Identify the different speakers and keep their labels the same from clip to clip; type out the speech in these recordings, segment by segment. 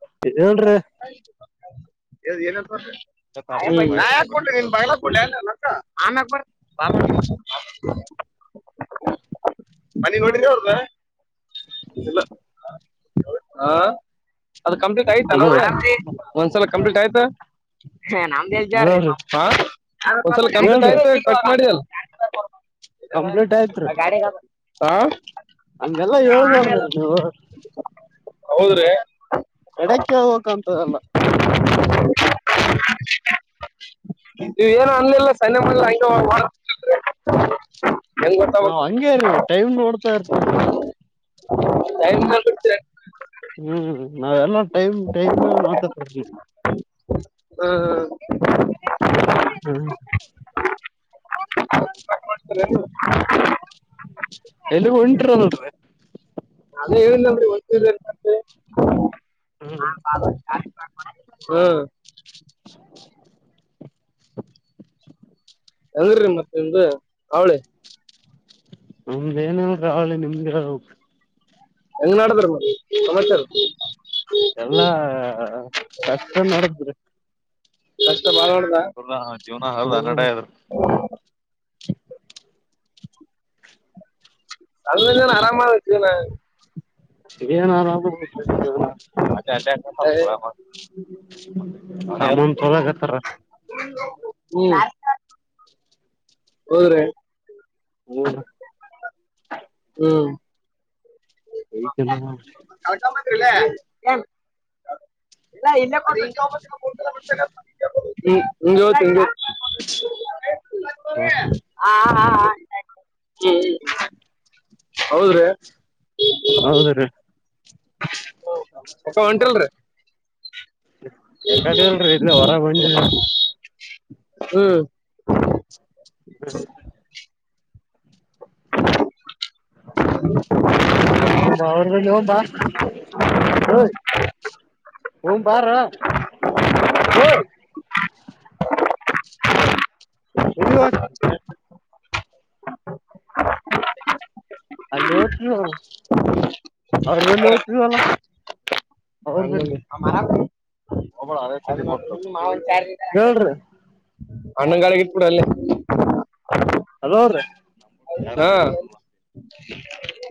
Speaker 1: [unintelligible]
Speaker 2: ಏನ [unintelligible] ಮನಿ ಗೊಂಡಿದ ಅವ್ರ್. ದ ಇಲ್ಲಿಲ ಆ. ಅದು ಕಂಪ್ಲೀಟ್ ಆಯ್ತಾ ನೋ
Speaker 1: ಅದು
Speaker 2: ಒಂದ್ಸಲ ಕಂಪ್ಲೀಟ್ ಆಯ್ತಾ. ಹ ನಮ್ದಜ ಜಾರೀ
Speaker 1: ಅದ್ರೀ
Speaker 2: [unintelligible]
Speaker 1: ಹೇಳ್ರಿ ಕಂಪ್ಲೀಟ್ ಆಯ್ತ್ರಿ
Speaker 2: ಅ
Speaker 1: ಹೇಳ್ಬಾದ್ರೀ ನೀವು.
Speaker 2: ಹೌದ್ರಿ.
Speaker 1: ಕಡೆಕ್ಕೆ ಹೋಗಕಂತದಲ್ಲ.
Speaker 2: ನೀವ ಏನು ಅನ್ಲಿಲ್ಲ ಸನ್ನ್ಣೆ ಮಾಡಿಲ್ಲ ಹಗೆ ಹೋಗ
Speaker 1: ನಾವ್
Speaker 2: ಗೊತ್ತಾಗ್ಬೇಕು
Speaker 1: ಹಂಗೇ ರೀ ಟೈಮ್ ನೋಡ್ತಾ ಇರ್ತೇವಿ ನಾವು.
Speaker 2: ಟೈಮ್ [unintelligible]
Speaker 1: ಹ್ಮ್ ನಾವೆಲ್ಲ ಟೈಮ್ ಟೈಮ್ ಮೇಲೆ ಮಾತಾಡೂರ್
Speaker 2: ಹ್ಮ ಹ್ಮ್
Speaker 1: ಹ್ಮ ಎಲ್ಲಿಗ್ ಹೊಂಟ್ರಲ್ಲ. [unintelligible]
Speaker 2: ನಾನೇ ಹೇಳಿಲ್ಲನ್ರಿ ಒ
Speaker 1: ಹ್ಮ್
Speaker 2: ಹಾ ಬ [unintelligible] ಹ್ಮ ಅಂಗ್ರಿರಿ ಮತ್ತೆ ನಿದ ಅವಳಿ
Speaker 1: ನಮ್ದ ಏನೇನ್ ಹವಳಿ ನಿಮ್ದಿ
Speaker 2: ಹೆಂಗ್ ನಾಡದ್ರ ಸಮಾಚಾರ
Speaker 1: ಎಲ್ಲಾ ಕಷ್ಟ ನೋಡಿದ್ರಿ
Speaker 2: ಭಳ ಮಾಡದ
Speaker 1: ಜೀವನ ಹಾರ್ಡ್ಡಿ ಹನ್ನೆರಡು ಅಗೆದು
Speaker 2: ಅಣ್ಣಲ್ಲಾನ ಆರಾಮಣ
Speaker 1: ನ ಆರಾಮ ಮತ್ತೆ ಅ ಸಾಮನ್ ತೊಲಗತ್ತಾರ
Speaker 2: ಹೌದ್ರೀ
Speaker 1: ಹ
Speaker 2: ಹ್ಮ
Speaker 1: ಚಲ [unintelligible]
Speaker 2: ಏನ್ ಇಲ್ಲ ಇಲ್ಲ ಹ್ಮ್ ನಿಂಗವತ್ತು
Speaker 1: ಹಾ
Speaker 2: ಹ್ಮ ಹೌದ್ರೀ
Speaker 1: ಹೌದ ರೀ
Speaker 2: ಅಕ್ಕ ಹೊಂಟಿಲ್ರಿ
Speaker 1: ಹೊರ ಬಂದಿದ
Speaker 2: ಹ್ಮ್
Speaker 1: ಹ
Speaker 2: [unintelligible]
Speaker 1: ಅವ್ರ ಬ ಹೋಗಬಾ ಹೋಗನು ಬಾರ ಯ್ ಎಲ್ಲಿ ವತ್ತು ಅಲ್ಲಿ ಓತವ ಅವ್ರಲ್ಲಿ ಹತವ ಅಲ್ಲ
Speaker 2: ಹ ಅವ ಮಾ ಒನ್ ಚಾರ್
Speaker 1: ಹೇಳ್ರಿ
Speaker 2: [unintelligible] ಅಣ್ಣಂಗಾಡಗ ಇಟ್ಕಡ ಅಲ್ಲಿ
Speaker 1: ೋದ್ರೆ [unintelligible]
Speaker 2: ಹಾ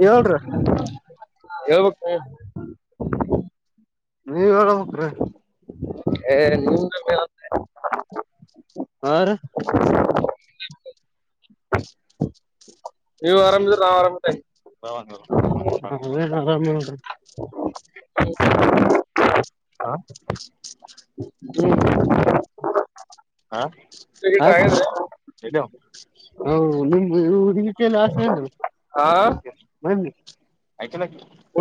Speaker 1: ಹೇಳ್ರಿ
Speaker 2: ಹಳ್ಬೇಕು ಹ
Speaker 1: ನೀವ್ ಹೇಳ ಹಕ್ರ
Speaker 2: ಹ ನೀ
Speaker 1: ಅವರಿ
Speaker 2: ಹ [unintelligible] ನೀವು ಆರಾಮಿದ್ರ ನಾ ಆರಾಮ್
Speaker 1: ಆರಾಮ ಹಾ
Speaker 2: [inaudible]
Speaker 1: ಹಾ
Speaker 2: ಗಿಟ
Speaker 1: ಹ
Speaker 2: ಆಗಿದ್ರಿ
Speaker 1: ಹೇಳೋ ಹೌ ನಿಮ ಇಗೀತ ಎಲ್ಲ ಆಸೆ
Speaker 2: ಹಾ
Speaker 1: ಬ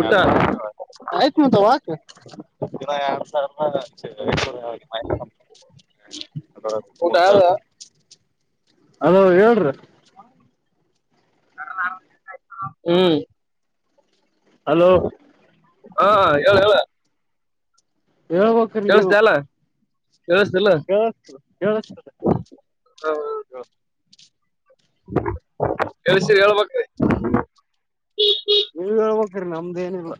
Speaker 2: ಊಟ
Speaker 1: ಆಯ್ತ್ ಮಂತಕ ಎರಡ್ ಸಾವಿ
Speaker 2: ಹ
Speaker 1: ಅದ ಮೂ ಹೆಲೋ ಹೇಳ್ರಿ
Speaker 2: ಹ್ಮ
Speaker 1: ಹಲೋ
Speaker 2: ಹಾ ಹ ಹೇಳ ಹೇಳ
Speaker 1: ಹೇಳ್ಬೇಕ್ರಿ ನೀವು
Speaker 2: ಕೇಳಿಸತಿಲ್ಲ
Speaker 1: ಜ ಹ
Speaker 2: ಕೇಳಿಸಿ ಹೇಳ್ಬೇಕ್ರಿ
Speaker 1: ನೀವಬೇಕತರಿ ನಮ್ದ ಏನಿಲ್ಲ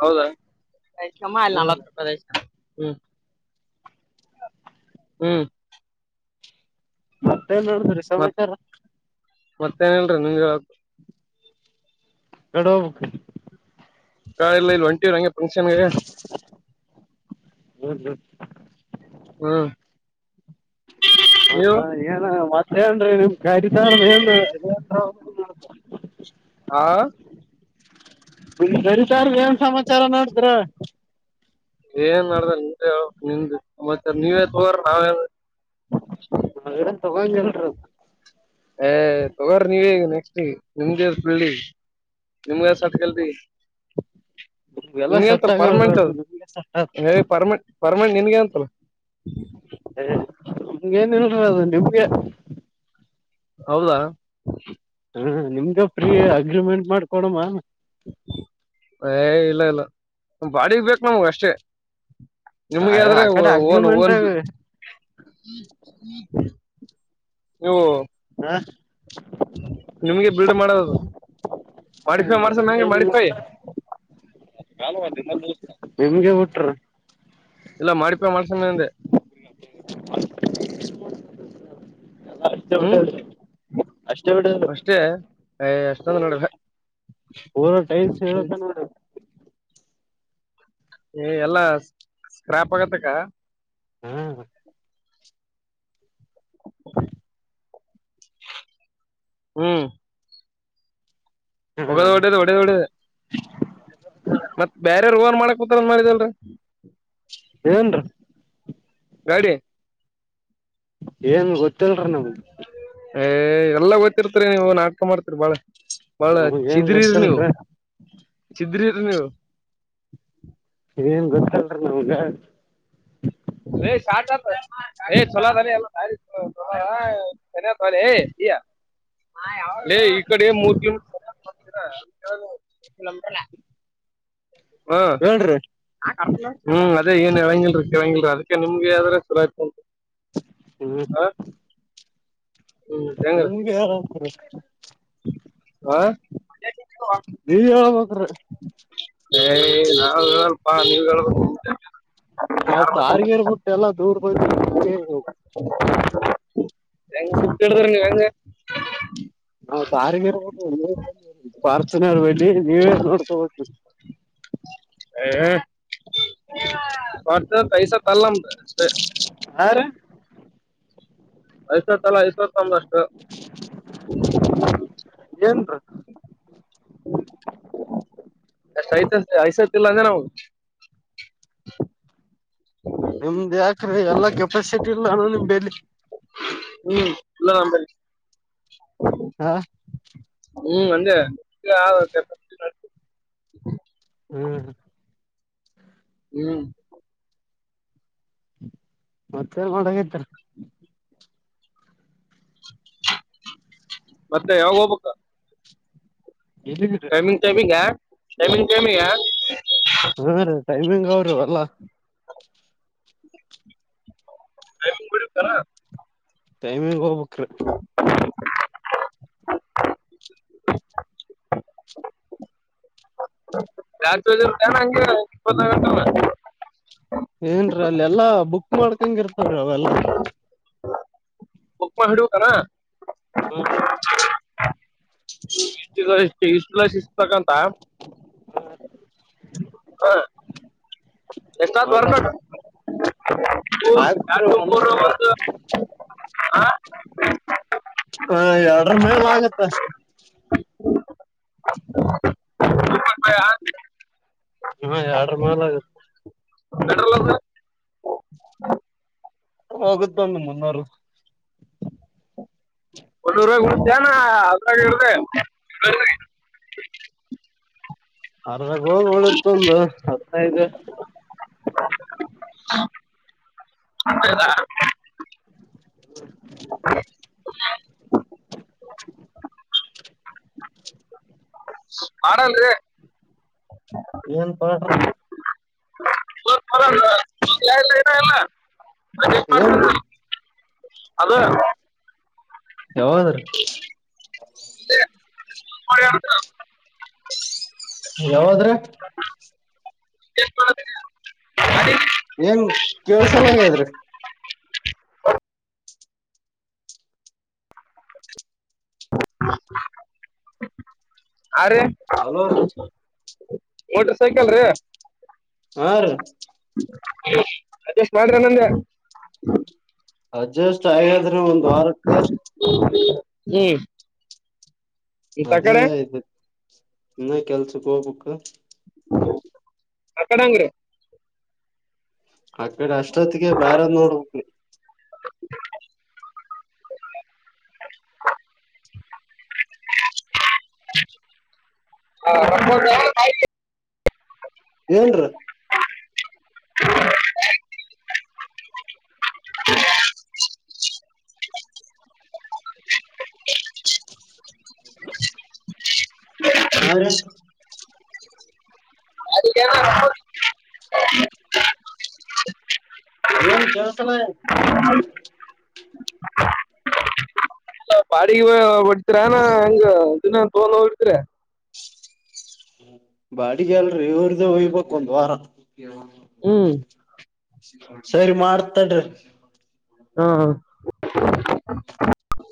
Speaker 2: ಹೌದ ಕಷಮ ಅಲ್ಲಿ
Speaker 1: ಹಾ ರೀ
Speaker 2: ನಲ್ವತ್ ರೂಪಾಯ ದ ಹ್ಮ್ ಹ್ಮ್
Speaker 1: ಮತ್ತೆನ್ ನೋಡತ್ರೀ
Speaker 2: ಮತ್
Speaker 1: ಸಮಾಚಾರ
Speaker 2: ಮತ್ತೇನಿಲ್ರಿ ನಿಮ್ಗೆ
Speaker 1: ಎಡೋ ಮುು
Speaker 2: ಕಾಯ ಇಲ್ಲ ಇಲ್ಲಿ ಒಂಟಿರಂ ಫಂಕ್ಷನ್
Speaker 1: ಹ್ಮ ಹ್ಮ
Speaker 2: ಹ್ಮ್ ನೀವು
Speaker 1: ಮಸ ಟೇನನು ಕರಿ ತಾರ ಏ
Speaker 2: ಹಾ
Speaker 1: ಸರಿತಾರ್ ಏನ್ ಸಮಾಚಾರ ನೋಡ್ತ್ರ
Speaker 2: ಏನ್ ನಡ್ದ ನಿೆ ಹು ನಿತ್ತ ನೀವೇ ತಗ್ರ ನಾವೇನ್
Speaker 1: ಮಗರ ತೊಗಾಲ್ಲ
Speaker 2: ಏ ತಗೋರಿ ನೀವೇಗ ನೆಕ್ಸ್ಟ್ ನಿಮ್ದ ಬೆಿ ನಿಮಸದಗಲ್ದಿ
Speaker 1: ನಿಮ್ಗೆಲ್ಲಾ
Speaker 2: ನೀ
Speaker 1: ಸೆಟ್
Speaker 2: ಎಂತಲ್ಲ
Speaker 1: ಆಗಲ್ರಿ
Speaker 2: ಪರ್ಮನೆಂಟ್ ಅದು
Speaker 1: ನಿಮ್ಗೆ ಸೆಟ್ ಆದ
Speaker 2: ಪರ್ಮಂಟ್ ಪರ್ಮೆಂಟ್ ನಿನ್ಗೆ ಅಂತಲ್ಲ
Speaker 1: ಮ್ಗೆ ಅ ನಿಮ್ಗೆ
Speaker 2: ಹ
Speaker 1: ಹ ನಿಮ್ಗೆ ಫ್ರೀ ಅಗ್ರಿಮೆಂಟ್ ಮಾಡ್ಕೊಡಮ್ಮ
Speaker 2: ಏ ಇಲ್ಲ ಇಲ್ಲ ಬಾಡಿಗ್ ಬೇಕು ನಮಗ ಅಷ್ಟೇ ನಿಮ್ಗೆ ಆದ್ರೆ
Speaker 1: ಆ ಕಡೆ
Speaker 2: ಓನ್
Speaker 1: ಅಗ್ರಿಮೆಂಟ್
Speaker 2: ಓನ್
Speaker 1: ಹ
Speaker 2: ವು
Speaker 1: ಹಾ
Speaker 2: ನಿಮ್ಗೆ ಬೀಡು ಮಾಡದದು
Speaker 1: ಹ ಾಲ ನಿಮ್ಗೆ ಬಿಟ್ರ
Speaker 2: ಇಲ್ಲ ಮಾಡಪ ಮಾಡಸಯಂದೆ
Speaker 1: ಹವಟೆ ಅಷ್ಟೇ ಬಿಡ
Speaker 2: ಅಷ್ಟೇ ಏ ಎಷ್ಟ ನಲ್ಲಡ
Speaker 1: ರ ಟೈಮಸ್ ಹೇಳ
Speaker 2: ಏ ಎಲ್ಲಾ ಸ್ಕ್ರಾಪ್ ಆಗತ್ತಕ್ಕ
Speaker 1: ಹ್ಮ್
Speaker 2: ಹ್ಮ್ ಒೋಗದು್
Speaker 1: ಹ್ಮ್
Speaker 2: ಒಡದು ಒಡದುಡದು ಮತ್ ಬೇರೆ ರ ಮಾಡೂತಾರಂದ ಮಾಡಾರಿದಲ್ರೀ
Speaker 1: ಏನ್ರ
Speaker 2: ಗಾಡಿ
Speaker 1: ಏನ್ ಗೊತ್ತಲ್ರಿೀ ನಮಗ್
Speaker 2: ಏ್ ಎಲ್ಲ ಓಯ್ತಿರ್ತರಿ ನೀವವು ನಾಡ್ಕ ಮಾಡ್ತೀರಿ ಬಾಳೆ ಬಹಳ
Speaker 1: ನಮ್ಗ ಏನ್
Speaker 2: ಚಿದ್ರಿರಿ ನೀವು
Speaker 1: ಗೊತ್ತಿಲ್ರಿ
Speaker 2: ಿದ್ರಿರಿ ನೀವು
Speaker 1: ಇದೇನ್ ಗೊತ್ತಲ್ರಿ ನಮಗ
Speaker 2: ್ ಸಾತ್ ಆತ ಚಲೋ ಎಲ್ಲ ಹ ತ ಅ ಇಡೆ ಮೂದಲ
Speaker 1: ಹೇಳ್ರಿ
Speaker 2: ಹ್ಮ ಹ್ಮ್ ಅೇ ಏನ್ ಹೇಳಂಗಿಲ್ರಿ ಕೆೇಳಂಗಿಲ್ಲಲ್ರಿ ಅದಕ್ಕೆ ನಿಮಗೆಾವ್ದ್ರೆ ಚಲ ಆ್ತ ಉಟು
Speaker 1: ಹ್ಮ್
Speaker 2: ಹ್ಮ್ ಹೆಂಗ್ರಿ
Speaker 1: ನಿಮ್ಗೆ ಆರ್ತರ
Speaker 2: ಹ
Speaker 1: ಬಜಕ
Speaker 2: ಏಯ ನಾವವು ಸ್ವಲ್ಪ ನೀವ್ ಹೇಬೇಕು
Speaker 1: ನಾವ ತಾರಿಗೇರ್ಬಿಟ್ಟೆ ಎಲ್ಲ ದೂರ್ ಬಂದ ನಿಮಗೆ
Speaker 2: ಹೆಂಗ ಚಟ್ಟ ಎಡ್ತರ ಹೆಂಗ
Speaker 1: ನಾ ತಿಗೆ ಪ್ರಾರ್ಥನವರು ಬಿ ನೀವೇ ನೋಡ್ತ ಹವಿ
Speaker 2: [unintelligible] ಹೊರ್ತ ಪೈಸಾ ತರಲ
Speaker 1: ಹಾ ರಿ
Speaker 2: ಯಸ ತಲ
Speaker 1: ಏನ್
Speaker 2: ಕಹಿತ ಐಸತಿಲ್ಲ ಅಂದ್ರ ನಾದು
Speaker 1: ನಿಮ್ದ್ ಯಾಕ್ರೆ ಎಲ್ಲಾ ಕೆಪಾಸಿಟಿ ಇಲ್ಲಾನು ನಿಮಲಿ
Speaker 2: ಹ್ಮ್ ಇಲ್ಲ ನಂಬರಿ
Speaker 1: ಹಾ
Speaker 2: ಹ್ಮ್ ಅಜೇ
Speaker 1: ಹ್ಮ್
Speaker 2: ಹ್ಮ್
Speaker 1: ಮತ್ತೆನ್ ಮಾಡಾಗಿದ್ದಾರ
Speaker 2: ಮತ್ತೆ ಯಾವಾಗ ಹೋಗ್ಬೇಕ
Speaker 1: ಎಲ್ಲಿದ್ರಿ
Speaker 2: ಟೈಮಿಂಗ್ ಟಮಗ ಟೈಮಿಂಗ್ ಕೆಮಗಾ
Speaker 1: ಹಾ ರೀ ಟೈಮಿಂಗ್ ಅವ್ರೀ ಅಲ್ಲಾ
Speaker 2: ಆ
Speaker 1: ಟೈಮಿಂಗ್ ಹೋಗ್ಬಕ್್ರ
Speaker 2: ರಾತ್ರಿ ಹಂ ಇಪ್ಪತ್ತ ಗಂಟಲ್ಲ
Speaker 1: ಏನ್ರೀ ಅಲ್ಲ ಎಲ್ಲಾ ಬುಕ್ ಮಾಡ್ಕಂಗ ಇರ್ತವ್ರೀ ಅವೆಲ್ಲಾ
Speaker 2: ಒಪ್ಪಪ್ಪ ಹಿಡುವಕ
Speaker 1: ಹ್ಮ
Speaker 2: ಇಷ್ಟುಲ ಸಿಿಸತಕ್ಕಂತ ಎಷ್ಟಾತ್
Speaker 1: ಹ ಎಲ್ಲ
Speaker 2: ಬರ್ಬೇಕ
Speaker 1: ಆಯತ್
Speaker 2: ಎರಡು ಮೂರು
Speaker 1: ಒಂದು
Speaker 2: ಹ
Speaker 1: ಹಾ ಎರಡರ ಮೇಲೆ ಆಗತ್ತ ಹ್ಮ ಎರಡ ಮೇಲ ಆಗ
Speaker 2: ಪೆಟ್ರೋಲ್ ಅದು
Speaker 1: ಹೋಗುತ್ತಣ ಮುನ್ನೂರು
Speaker 2: ಒಂದೂ ರಾಯ ಕೊಡತಾನ ಅ ಹೇಳ್ದ
Speaker 1: ಬೆಳಗ್ ಹೋಗ ಒಳತ್ತ ಒಂದು ಹತ್ತದು
Speaker 2: ಅದ
Speaker 1: ಹ
Speaker 2: ಹ ಹಡ್ರೆ
Speaker 1: ಏನ್ ಪ
Speaker 2: ಇರ ಎಲ್ಲ
Speaker 1: ಏನ್ರಿೀ
Speaker 2: ಅದ
Speaker 1: ಹ
Speaker 2: ಅವ
Speaker 1: ಯಾವಾದ್ರ
Speaker 2: ಅ [unintelligible]
Speaker 1: ಏನ್ ಕೆಲ್ಸಲಾಗದ್ರಿ
Speaker 2: [unintelligible] ಅರೆ
Speaker 1: ಹಲೋರಿ
Speaker 2: ಮೋಟರ್ ಸೈಕಲ್ ರೀ
Speaker 1: ಹ ರಿ
Speaker 2: ಅಷ್ಟ್ ಮಾಡ್ರ ನಂದ
Speaker 1: ಅಡ್ಜಸ್ಟ್ ಆಯಾದ್ರೆ ಒಂದ್ ವಾರಕ್ಕೆ
Speaker 2: ಹ್ಮ
Speaker 1: ಅದೇ ಇ ಇನ್ನ ಕೆಲ್ಸಕ್ ಹೋಗ್ಬಕ್
Speaker 2: ಅಕಡ ಹಂಗ್ರಿ
Speaker 1: ಆಕಡೆ ಅಷ್ಟೊತ್ತಿಗೆ ಬೇರ ನೋಡ್ಬೇಕು [inaudible] [inaudible]
Speaker 2: ಹ ಒ [unintelligible]
Speaker 1: ಏನು ಹರೆ
Speaker 2: ಅಲ್ಲ
Speaker 1: ಏನ್ ಕೇಳತೀಲ
Speaker 2: ಬಾಡಿಗೆ ಬಡ್ತರನ ಹೆಂಗ ದಿನ ತೋಲ್ ಹ ಬಿಡ್ತರಿ
Speaker 1: ಬಾಡಿಗೆ ಅಲ್ರರಿ ಇವ್ರ್ದ ಹಯ್ಬೇಕಕ್ ಒಂದ್ ವಾರ
Speaker 2: ಹ್ಮ್
Speaker 1: ಸರಿ ಮಾಡ್ತಾಡ್ರಿ
Speaker 2: ಹಾ